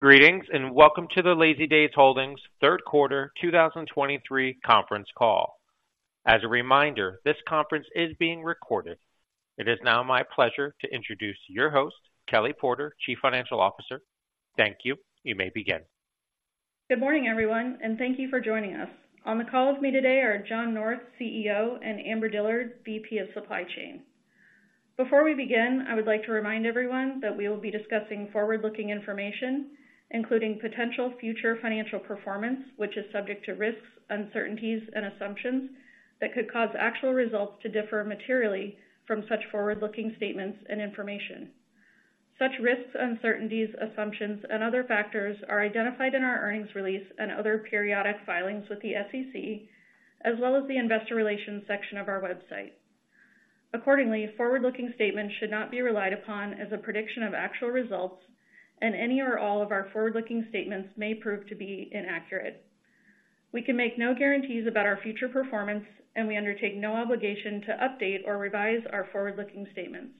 Greetings, and welcome to the Lazydays Holdings third quarter 2023 conference call. As a reminder, this conference is being recorded. It is now my pleasure to introduce your host, Kelly Porter, Chief Financial Officer. Thank you. You may begin. Good morning, everyone, and thank you for joining us. On the call with me today are John North, CEO, and Amber Dillard, VP of Supply Chain. Before we begin, I would like to remind everyone that we will be discussing forward-looking information, including potential future financial performance, which is subject to risks, uncertainties, and assumptions that could cause actual results to differ materially from such forward-looking statements and information. Such risks, uncertainties, assumptions, and other factors are identified in our earnings release and other periodic filings with the SEC, as well as the Investor Relations section of our website. Accordingly, forward-looking statements should not be relied upon as a prediction of actual results, and any or all of our forward-looking statements may prove to be inaccurate. We can make no guarantees about our future performance, and we undertake no obligation to update or revise our forward-looking statements.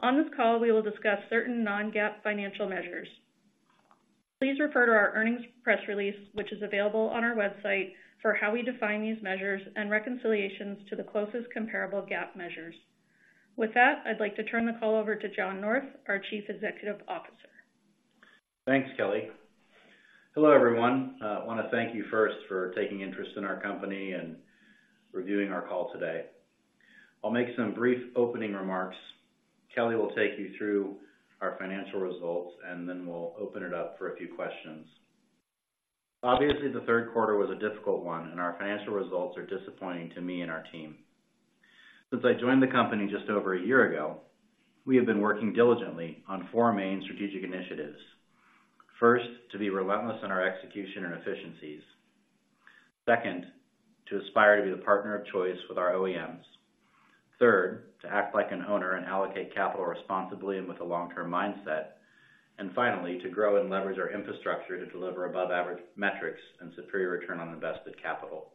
On this call, we will discuss certain non-GAAP financial measures. Please refer to our earnings press release, which is available on our website, for how we define these measures and reconciliations to the closest comparable GAAP measures. With that, I'd like to turn the call over to John North, our Chief Executive Officer. Thanks, Kelly. Hello, everyone. I want to thank you first for taking interest in our company and reviewing our call today. I'll make some brief opening remarks. Kelly will take you through our financial results, and then we'll open it up for a few questions. Obviously, the third quarter was a difficult one, and our financial results are disappointing to me and our team. Since I joined the company just over a year ago, we have been working diligently on four main strategic initiatives. First, to be relentless in our execution and efficiencies. Second, to aspire to be the partner of choice with our OEMs. Third, to act like an owner and allocate capital responsibly and with a long-term mindset. And finally, to grow and leverage our infrastructure to deliver above-average metrics and superior return on invested capital.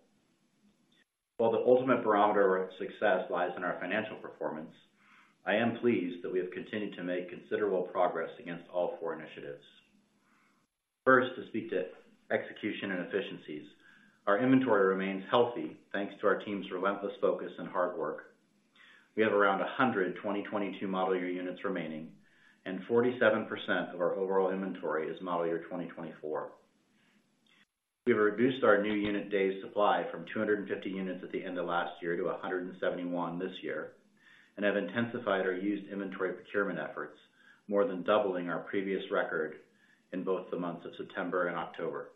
While the ultimate barometer of success lies in our financial performance, I am pleased that we have continued to make considerable progress against all four initiatives. First, to speak to execution and efficiencies. Our inventory remains healthy, thanks to our team's relentless focus and hard work. We have around 120 2022 model year units remaining, and 47% of our overall inventory is model year 2024. We've reduced our new unit days supply from 250 units at the end of last year to 171 this year, and have intensified our used inventory procurement efforts, more than doubling our previous record in both the months of September and October.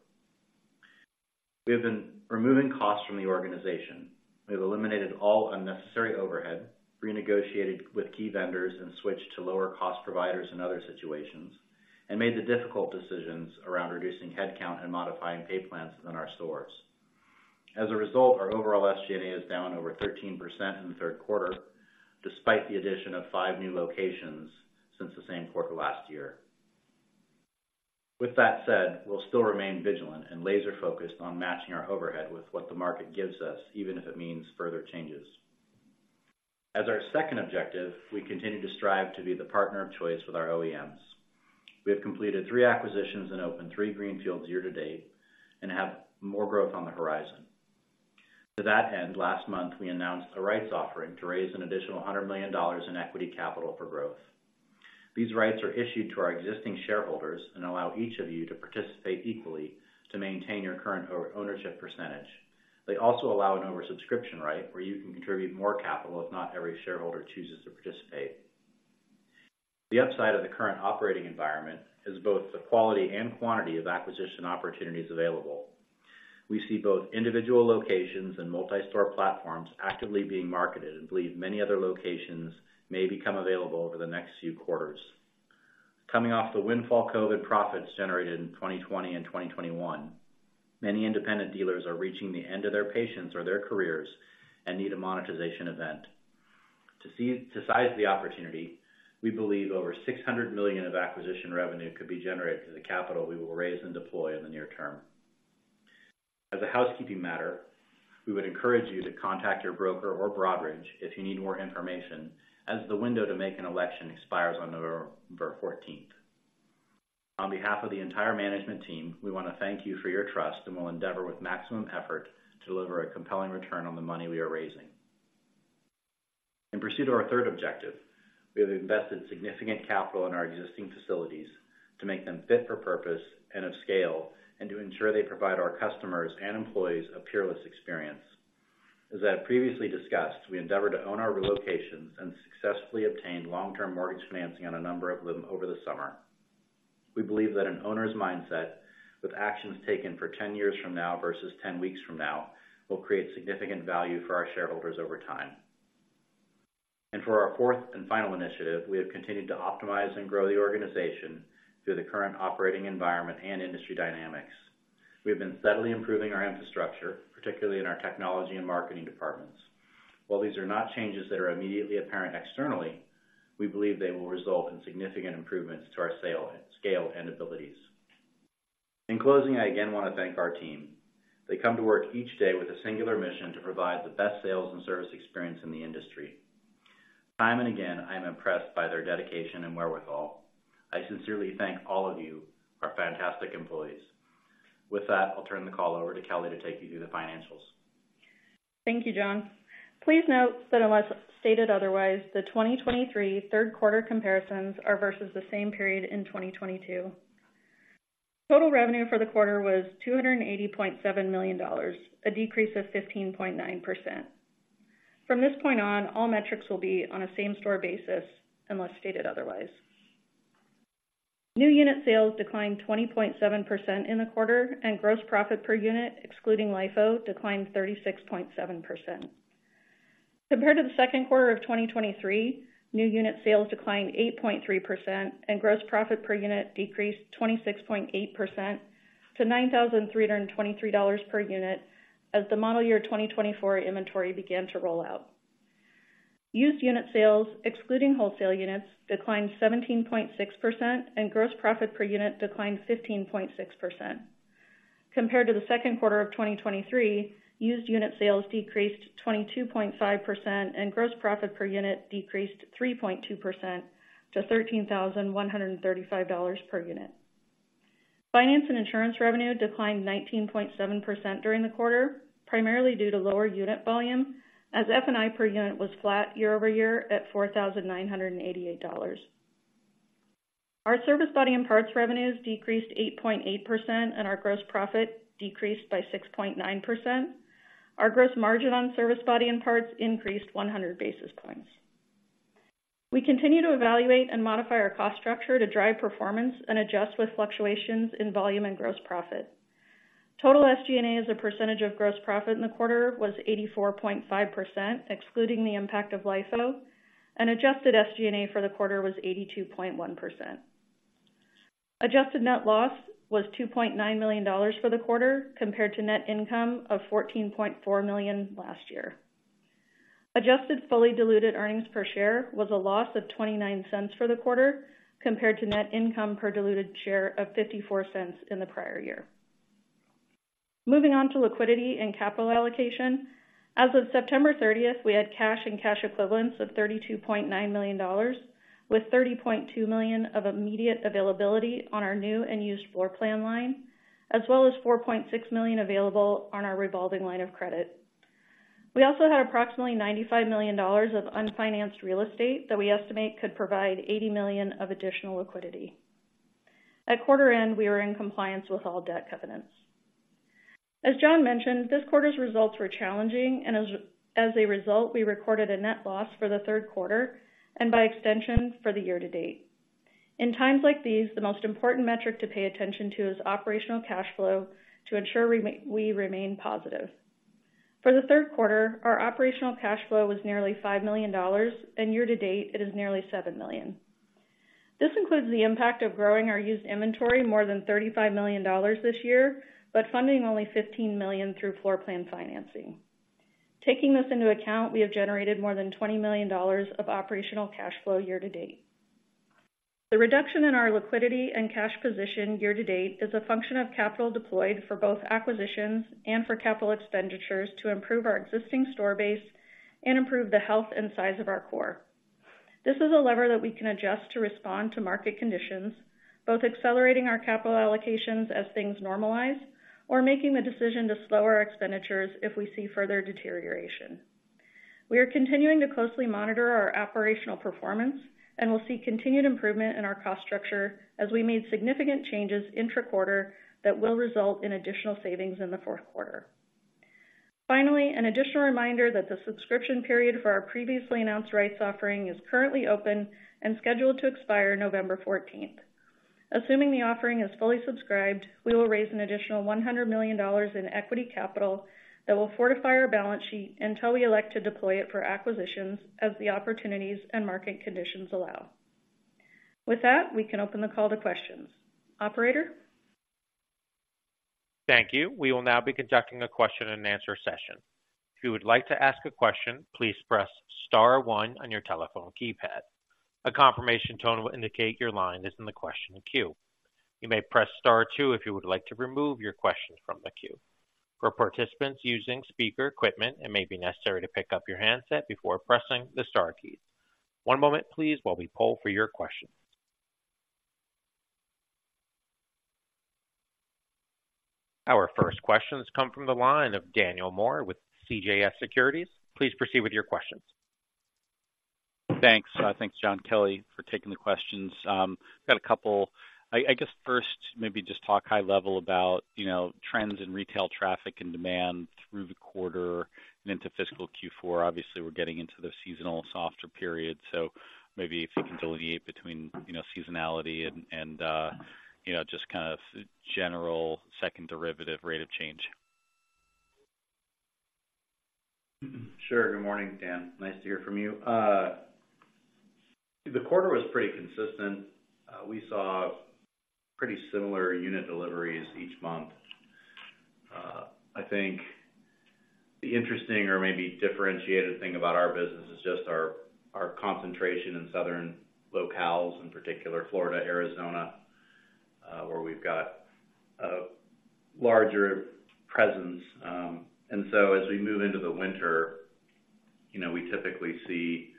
We have been removing costs from the organization. We have eliminated all unnecessary overhead, renegotiated with key vendors and switched to lower-cost providers in other situations, and made the difficult decisions around reducing headcount and modifying pay plans in our stores. As a result, our overall SG&A is down over 13% in the third quarter, despite the addition of five new locations since the same quarter last year. With that said, we'll still remain vigilant and laser-focused on matching our overhead with what the market gives us, even if it means further changes. As our second objective, we continue to strive to be the partner of choice with our OEMs. We have completed three acquisitions and opened three greenfields year-to-date and have more growth on the horizon. To that end, last month, we announced a rights offering to raise an additional $100 million in equity capital for growth. These rights are issued to our existing shareholders and allow each of you to participate equally to maintain your current ownership percentage. They also allow an oversubscription right, where you can contribute more capital if not every shareholder chooses to participate. The upside of the current operating environment is both the quality and quantity of acquisition opportunities available. We see both individual locations and multi-store platforms actively being marketed and believe many other locations may become available over the next few quarters. Coming off the windfall COVID profits generated in 2020 and 2021, many independent dealers are reaching the end of their patience or their careers and need a monetization event. To size the opportunity, we believe over $600 million of acquisition revenue could be generated to the capital we will raise and deploy in the near term. As a housekeeping matter, we would encourage you to contact your broker or Broadridge if you need more information, as the window to make an election expires on November 14th. On behalf of the entire management team, we want to thank you for your trust, and we'll endeavor with maximum effort to deliver a compelling return on the money we are raising. In pursuit of our third objective, we have invested significant capital in our existing facilities to make them fit for purpose and of scale, and to ensure they provide our customers and employees a peerless experience. As I had previously discussed, we endeavor to own our relocations and successfully obtained long-term mortgage financing on a number of them over the summer. We believe that an owner's mindset, with actions taken for 10 years from now versus 10 weeks from now, will create significant value for our shareholders over time. For our fourth and final initiative, we have continued to optimize and grow the organization through the current operating environment and industry dynamics. We've been steadily improving our infrastructure, particularly in our technology and marketing departments. While these are not changes that are immediately apparent externally, we believe they will result in significant improvements to our sale, scale and abilities. In closing, I again want to thank our team. They come to work each day with a singular mission to provide the best sales and service experience in the industry. Time and again, I am impressed by their dedication and wherewithal. I sincerely thank all of you, our fantastic employees. With that, I'll turn the call over to Kelly to take you through the financials. Thank you, John. Please note that unless stated otherwise, the 2023 third quarter comparisons are versus the same period in 2022. Total revenue for the quarter was $280.7 million, a decrease of 15.9%. From this point on, all metrics will be on a same-store basis unless stated otherwise. New unit sales declined 20.7% in the quarter, and gross profit per unit, excluding LIFO, declined 36.7%. Compared to the second quarter of 2023, new unit sales declined 8.3%, and gross profit per unit decreased 26.8% to $9,323 per unit, as the model year 2024 inventory began to roll out. Used unit sales, excluding wholesale units, declined 17.6%, and gross profit per unit declined 15.6%. Compared to the second quarter of 2023, used unit sales decreased 22.5%, and gross profit per unit decreased 3.2% to $13,135 per unit. Finance and insurance revenue declined 19.7% during the quarter, primarily due to lower unit volume, as F&I per unit was flat year-over-year at $4,988. Our service, body, and parts revenues decreased 8.8%, and our gross profit decreased by 6.9%. Our gross margin on service, body, and parts increased 100 basis points. We continue to evaluate and modify our cost structure to drive performance and adjust with fluctuations in volume and gross profit. Total SG&A, as a percentage of gross profit in the quarter, was 84.5%, excluding the impact of LIFO, and adjusted SG&A for the quarter was 82.1%. Adjusted net loss was $2.9 million for the quarter, compared to net income of $14.4 million last year. Adjusted fully diluted earnings per share was a loss of $0.29 for the quarter, compared to net income per diluted share of $0.54 in the prior year. Moving on to liquidity and capital allocation. As of September 30th, we had cash and cash equivalents of $32.9 million, with $30.2 million of immediate availability on our new and used floor plan line, as well as $4.6 million available on our revolving line of credit. We also had approximately $95 million of unfinanced real estate that we estimate could provide $80 million of additional liquidity. At quarter end, we were in compliance with all debt covenants. As John mentioned, this quarter's results were challenging, and as a result, we recorded a net loss for the third quarter and by extension, for the year to date. In times like these, the most important metric to pay attention to is operational cash flow to ensure we remain positive. For the third quarter, our operational cash flow was nearly $5 million, and year to date, it is nearly $7 million. This includes the impact of growing our used inventory more than $35 million this year, but funding only $15 million through floor plan financing. Taking this into account, we have generated more than $20 million of operational cash flow year to date. The reduction in our liquidity and cash position year to date is a function of capital deployed for both acquisitions and for capital expenditures to improve our existing store base and improve the health and size of our core. This is a lever that we can adjust to respond to market conditions, both accelerating our capital allocations as things normalize or making the decision to slow our expenditures if we see further deterioration. We are continuing to closely monitor our operational performance and will see continued improvement in our cost structure as we made significant changes intra-quarter that will result in additional savings in the fourth quarter. Finally, an additional reminder that the subscription period for our previously announced rights offering is currently open and scheduled to expire November 14th. Assuming the offering is fully subscribed, we will raise an additional $100 million in equity capital that will fortify our balance sheet until we elect to deploy it for acquisitions, as the opportunities and market conditions allow. With that, we can open the call to questions. Operator? Thank you. We will now be conducting a question and answer session. If you would like to ask a question, please press star one on your telephone keypad. A confirmation tone will indicate your line is in the question queue. You may press star two if you would like to remove your question from the queue. For participants using speaker equipment, it may be necessary to pick up your handset before pressing the star key. One moment, please, while we poll for your question. Our first questions come from the line of Daniel Moore with CJS Securities. Please proceed with your questions. Thanks. Thanks, John and Kelly, for taking the questions. Got a couple. I guess first, maybe just talk high level about, you know, trends in retail traffic and demand through the quarter and into fiscal Q4. Obviously, we're getting into the seasonal softer period, so maybe if you can delineate between, you know, seasonality and you know, just kind of general second derivative rate of change. Sure. Good morning, Dan. Nice to hear from you. The quarter was pretty consistent. We saw pretty similar unit deliveries each month. I think the interesting or maybe differentiated thing about our business is just our concentration in southern locales, in particular Florida, Arizona, where we've got a larger presence. And so as we move into the winter, you know, we typically see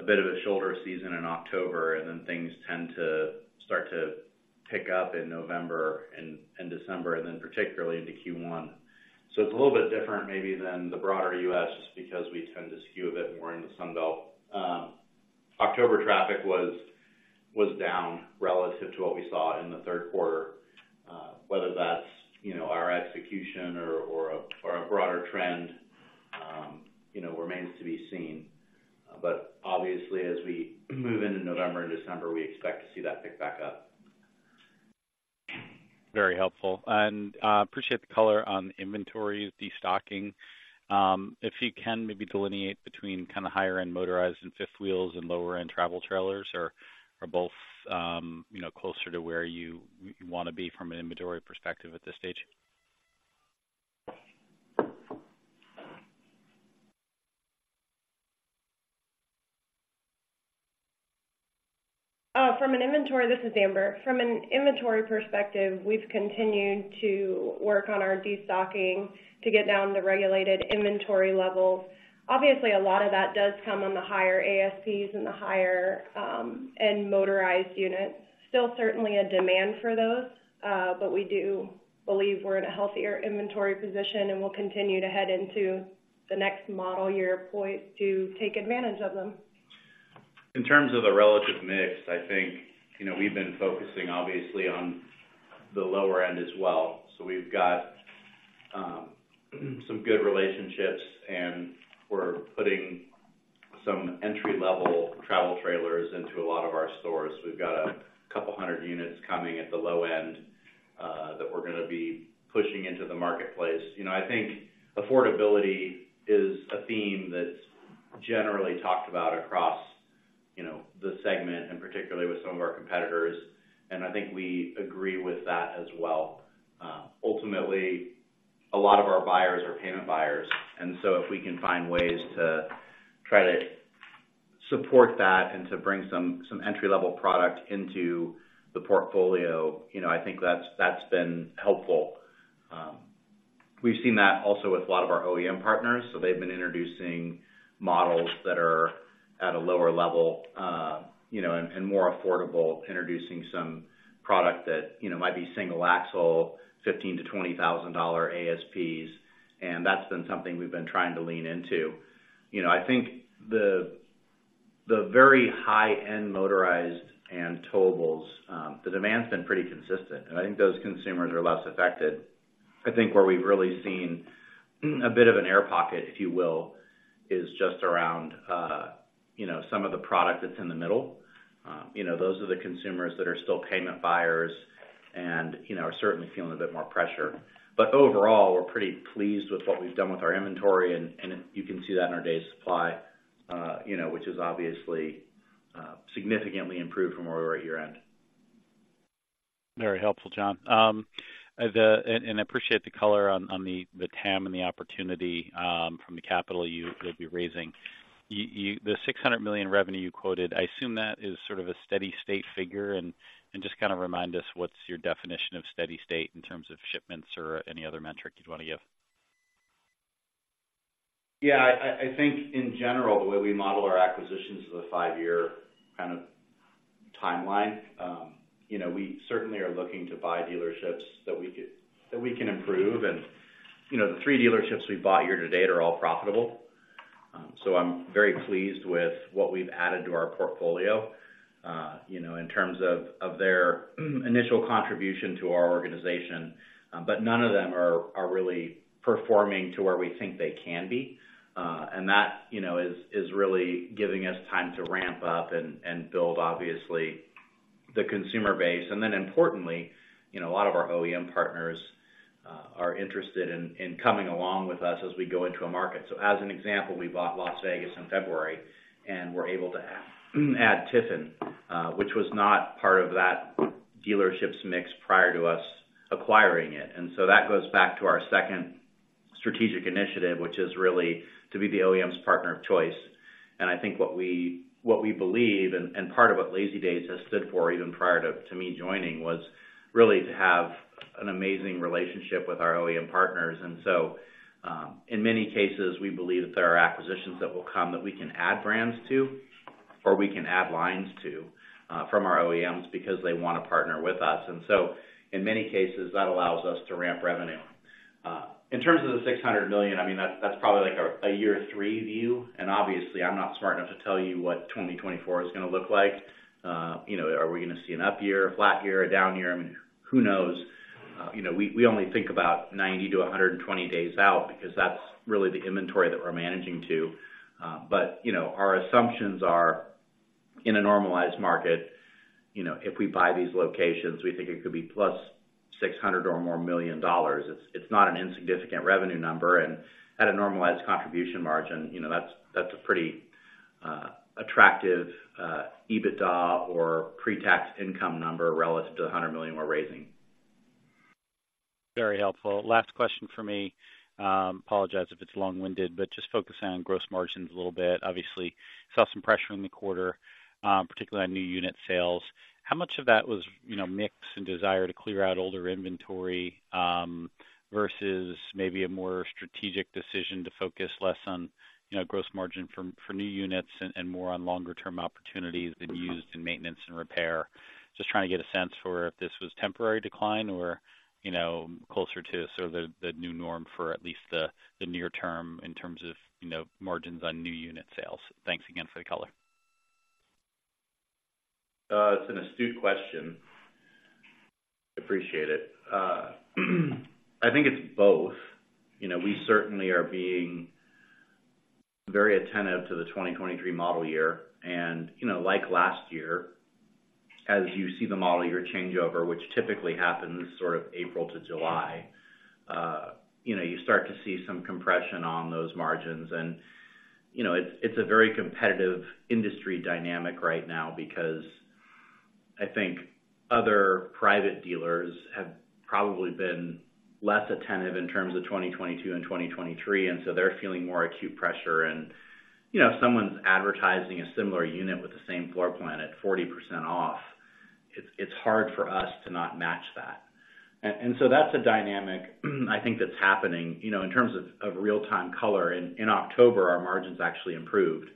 a bit of a shoulder season in October, and then things tend to start to pick up in November and December, and then particularly into Q1. So it's a little bit different maybe than the broader U.S., just because we tend to skew a bit more in the Sun Belt. October traffic was down relative to what we saw in the third quarter. Whether that's, you know, our execution or a broader trend, you know, remains to be seen. But obviously, as we move into November and December, we expect to see that pick back up. Very helpful. And, appreciate the color on the inventory destocking. If you can maybe delineate between kind of higher-end motorized and fifth wheels and lower-end travel trailers, or are both, you know, closer to where you wanna be from an inventory perspective at this stage? This is Amber. From an inventory perspective, we've continued to work on our destocking to get down the regulated inventory levels. Obviously, a lot of that does come on the higher ASPs and the higher end motorized units. Still certainly a demand for those, but we do believe we're in a healthier inventory position, and we'll continue to head into the next model year poised to take advantage of them. In terms of the relative mix, I think, you know, we've been focusing obviously on the lower end as well. So we've got some good relationships, and we're putting some entry-level travel trailers into a lot of our stores. We've got a couple hundred units coming at the low end that we're gonna be pushing into the marketplace. You know, I think affordability is a theme that's generally talked about across, you know, the segment, and particularly with some of our competitors, and I think we agree with that as well. Ultimately, a lot of our buyers are payment buyers, and so if we can find ways to try to support that and to bring some entry-level product into the portfolio, you know, I think that's been helpful. We've seen that also with a lot of our OEM partners, so they've been introducing models that are at a lower level, you know, and more affordable, introducing some product that, you know, might be single axle, $15,000-$20,000 ASPs, and that's been something we've been trying to lean into. You know, I think the, the very high-end motorized and towables, the demand's been pretty consistent, and I think those consumers are less affected. I think where we've really seen a bit of an air pocket, if you will, is just around, you know, some of the product that's in the middle. You know, those are the consumers that are still payment buyers and, you know, are certainly feeling a bit more pressure. But overall, we're pretty pleased with what we've done with our inventory, and you can see that in our days supply, you know, which is obviously significantly improved from where we were at year-end. Very helpful, John. I appreciate the color on the TAM and the opportunity from the capital you'll be raising. You, the $600 million revenue you quoted, I assume that is sort of a steady state figure, and just kind of remind us what's your definition of steady state in terms of shipments or any other metric you'd want to give? Yeah, I think in general, the way we model our acquisitions is a five-year kind of timeline. You know, we certainly are looking to buy dealerships that we can improve. And, you know, the three dealerships we've bought year to date are all profitable. So I'm very pleased with what we've added to our portfolio, you know, in terms of their initial contribution to our organization. But none of them are really performing to where we think they can be. And that, you know, is really giving us time to ramp up and build obviously the consumer base. And then importantly, you know, a lot of our OEM partners are interested in coming along with us as we go into a market. So as an example, we bought Las Vegas in February, and we're able to add Tiffin, which was not part of that dealerships mix prior to us acquiring it. And so that goes back to our second strategic initiative, which is really to be the OEM's partner of choice. And I think what we believe, and part of what Lazydays has stood for, even prior to me joining, was really to have an amazing relationship with our OEM partners. And so, in many cases, we believe that there are acquisitions that will come that we can add brands to, or we can add lines to, from our OEMs because they want to partner with us. And so in many cases, that allows us to ramp revenue. In terms of the $600 million, I mean, that's, that's probably like a year three view, and obviously I'm not smart enough to tell you what 2024 is gonna look like. You know, are we gonna see an up year, a flat year, a down year? I mean, who knows? You know, we, we only think about 90 to 120 days out because that's really the inventory that we're managing to. But, you know, our assumptions are in a normalized market, you know, if we buy these locations, we think it could be +$600 million or more. It's, it's not an insignificant revenue number, and at a normalized contribution margin, you know, that's, that's a pretty attractive EBITDA or pre-tax income number relative to the $100 million we're raising. Very helpful. Last question for me. Apologize if it's long-winded, but just focusing on gross margins a little bit. Obviously, saw some pressure in the quarter, particularly on new unit sales. How much of that was, you know, mix and desire to clear out older inventory, versus maybe a more strategic decision to focus less on, you know, gross margin for, for new units and, and more on longer term opportunities than used in maintenance and repair? Just trying to get a sense for if this was temporary decline or, you know, closer to sort of the, the new norm for at least the, the near term in terms of, you know, margins on new unit sales. Thanks again for the color. It's an astute question. Appreciate it. I think it's both. You know, we certainly are being very attentive to the 2023 model year. And, you know, like last year, as you see the model year changeover, which typically happens sort of April to July, you know, you start to see some compression on those margins. And, you know, it's a very competitive industry dynamic right now because I think other private dealers have probably been less attentive in terms of 2022 and 2023, and so they're feeling more acute pressure. And, you know, if someone's advertising a similar unit with the same floor plan at 40% off, it's hard for us to not match that. And so that's a dynamic, I think that's happening. You know, in terms of real-time color, in October, our margins actually improved.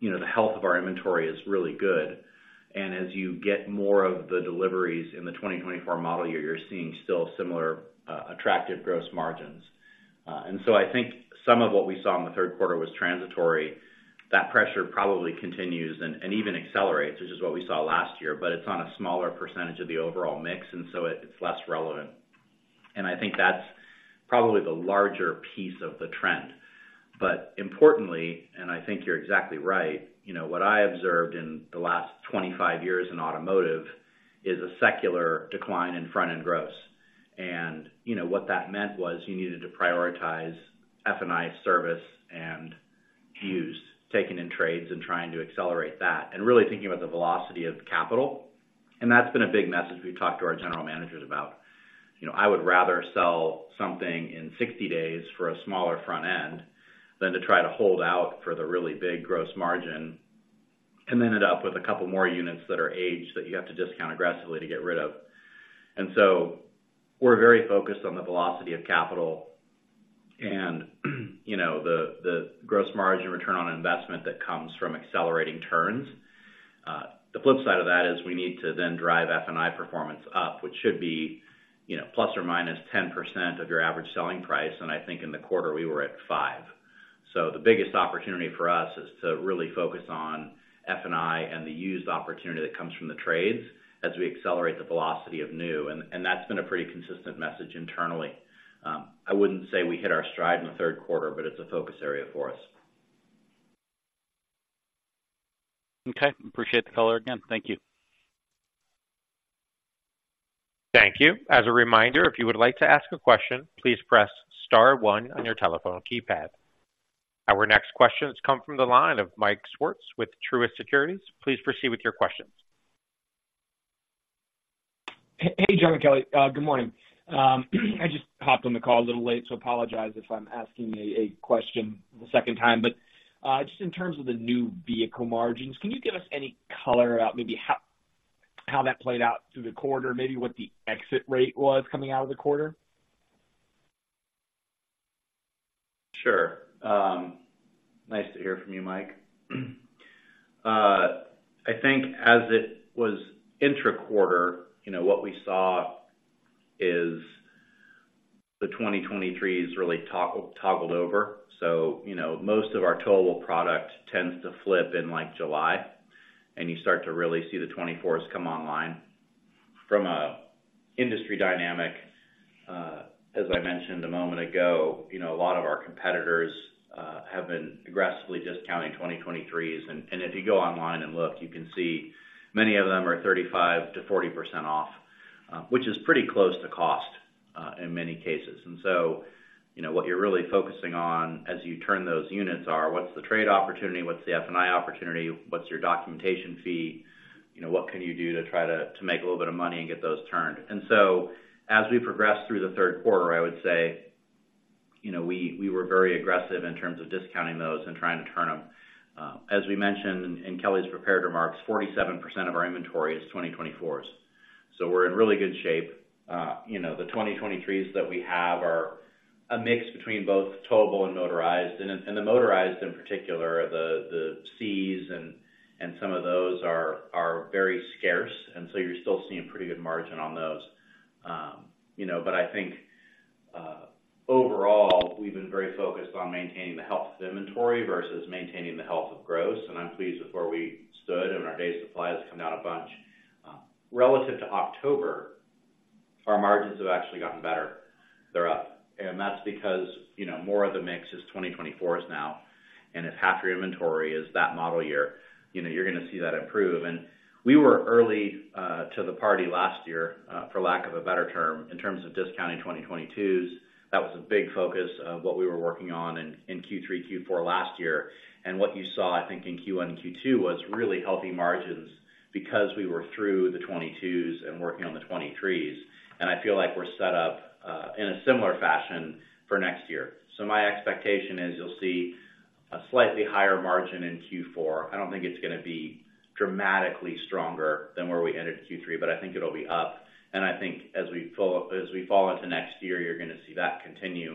You know, the health of our inventory is really good, and as you get more of the deliveries in the 2024 model year, you're seeing still similar, attractive gross margins. And so I think some of what we saw in the third quarter was transitory. That pressure probably continues and, and even accelerates, which is what we saw last year, but it's on a smaller percentage of the overall mix, and so it's less relevant. And I think that's probably the larger piece of the trend. But importantly, and I think you're exactly right, you know, what I observed in the last 25 years in automotive, is a secular decline in front-end gross. And, you know, what that meant was you needed to prioritize F&I service and used, taking in trades and trying to accelerate that, and really thinking about the velocity of capital. And that's been a big message we've talked to our general managers about. You know, I would rather sell something in 60 days for a smaller front end than to try to hold out for the really big gross margin, and then end up with a couple more units that are aged, that you have to discount aggressively to get rid of. And so we're very focused on the velocity of capital and, you know, the gross margin return on investment that comes from accelerating turns. The flip side of that is we need to then drive F&I performance up, which should be, you know, ±10% of your average selling price, and I think in the quarter, we were at 5%. The biggest opportunity for us is to really focus on F&I and the used opportunity that comes from the trades, as we accelerate the velocity of new. And that's been a pretty consistent message internally. I wouldn't say we hit our stride in the third quarter, but it's a focus area for us. Okay. Appreciate the color again. Thank you. Thank you. As a reminder, if you would like to ask a question, please press star one on your telephone keypad. Our next question has come from the line of Mike Swartz with Truist Securities. Please proceed with your questions. Hey, John and Kelly, good morning. I just hopped on the call a little late, so apologize if I'm asking a question the second time. But, just in terms of the new vehicle margins, can you give us any color about maybe how that played out through the quarter, maybe what the exit rate was coming out of the quarter? Sure. Nice to hear from you, Mike. I think as it was intra-quarter, you know, what we saw is the 2023s really toggled over. So, you know, most of our towable product tends to flip in, like, July, and you start to really see the 2024s come online. From an industry dynamic, as I mentioned a moment ago, you know, a lot of our competitors have been aggressively discounting 2023s. And if you go online and look, you can see many of them are 35%-40% off, which is pretty close to cost, in many cases. And so, you know, what you're really focusing on as you turn those units are: What's the trade opportunity? What's the F&I opportunity? What's your documentation fee? You know, what can you do to try to make a little bit of money and get those turned? And so, as we progress through the third quarter, I would say, you know, we were very aggressive in terms of discounting those and trying to turn them. As we mentioned in Kelly's prepared remarks, 47% of our inventory is 2024s, so we're in really good shape. You know, the 2023s that we have are a mix between both towable and motorized. And the motorized, in particular, the Cs and some of those are very scarce, and so you're still seeing pretty good margin on those. You know, but I think, overall, we've been very focused on maintaining the health of inventory versus maintaining the health of gross, and I'm pleased with where we stood, and our days of supply has come down a bunch. Relative to October, our margins have actually gotten better. They're up, and that's because, you know, more of the mix is 2024s now, and if half your inventory is that model year, you know, you're gonna see that improve. And we were early to the party last year, for lack of a better term, in terms of discounting 2022s. That was a big focus of what we were working on in Q3, Q4 last year. And what you saw, I think, in Q1 and Q2, was really healthy margins because we were through the 2022s and working on the 2023s, and I feel like we're set up in a similar fashion for next year. So my expectation is you'll see a slightly higher margin in Q4. I don't think it's gonna be dramatically stronger than where we ended Q3, but I think it'll be up, and I think as we fall into next year, you're gonna see that continue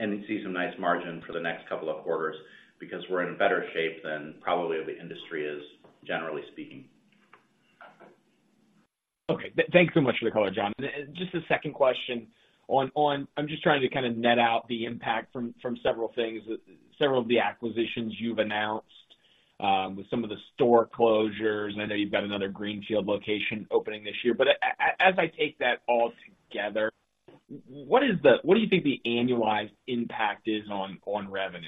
and see some nice margin for the next couple of quarters because we're in better shape than probably the industry is, generally speaking. Okay. Thanks so much for the color, John. And just a second question on—I'm just trying to kind of net out the impact from several things, several of the acquisitions you've announced, with some of the store closures, and I know you've got another greenfield location opening this year. But as I take that all together, what is the—what do you think the annualized impact is on revenue?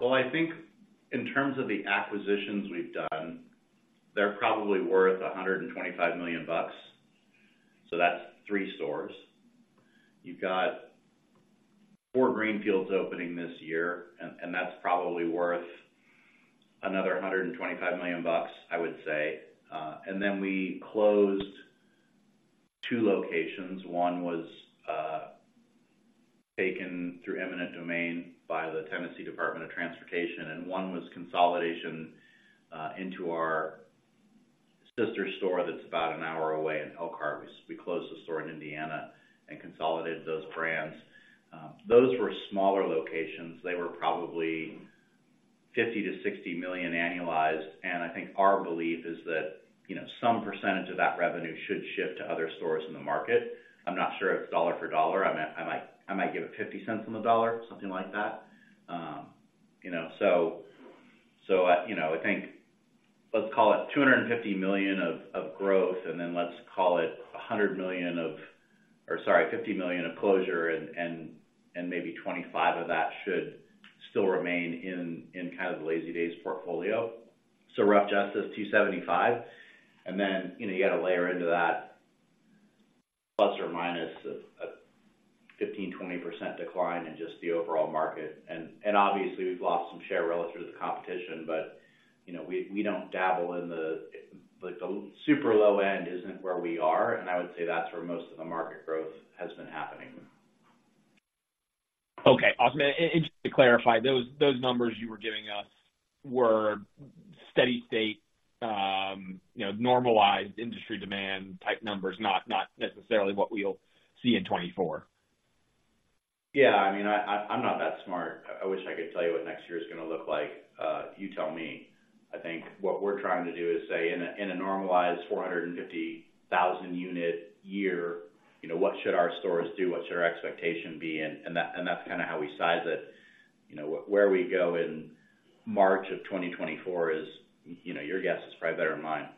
Well, I think in terms of the acquisitions we've done, they're probably worth $125 million, so that's three stores. You've got four greenfields opening this year, and that's probably worth another $125 million, I would say. And then we closed two locations. One was taken through eminent domain by the Tennessee Department of Transportation, and one was consolidation into our sister store that's about an hour away in Elkhart. We closed the store in Indiana and consolidated those brands. Those were smaller locations. They were probably $50 million-$60 million annualized, and I think our belief is that, you know, some percentage of that revenue should shift to other stores in the market. I'm not sure if it's dollar for dollar. I might give it $0.50 on the dollar, something like that. You know, so, so I, you know, I think let's call it $250 million of growth, and then let's call it a $100 million of—or sorry, $50 million of closure, and maybe 25 of that should still remain in kind of the Lazydays portfolio. So rough justice, $275. And then, you know, you got to layer into that ±15%-20% decline in just the overall market. And obviously, we've lost some share relative to the competition, but, you know, we don't dabble in the—like, the super low end isn't where we are, and I would say that's where most of the market growth has been happening. Okay, awesome. Just to clarify, those numbers you were giving us were steady state, you know, normalized industry demand type numbers, not necessarily what we'll see in 2024? Yeah. I mean, I'm not that smart. I wish I could tell you what next year's gonna look like. You tell me. I think what we're trying to do is say, in a normalized 450,000 unit year, you know, what should our stores do? What should our expectation be? And that's kind of how we size it. You know, where we go in March of 2024 is, you know, your guess is probably better than mine.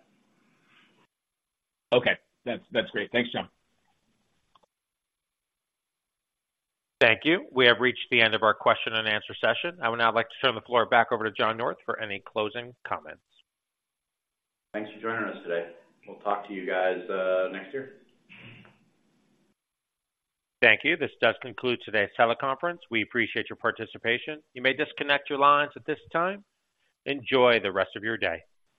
Okay. That's, that's great. Thanks, John. Thank you. We have reached the end of our question and answer session. I would now like to turn the floor back over to John North for any closing comments. Thanks for joining us today. We'll talk to you guys, next year. Thank you. This does conclude today's teleconference. We appreciate your participation. You may disconnect your lines at this time. Enjoy the rest of your day.